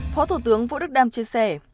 phó thủ tướng vũ đức đam chia sẻ